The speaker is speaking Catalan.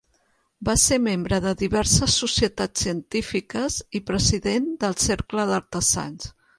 Va ser membre de diverses societats científiques i President del Cercle d'Artesans.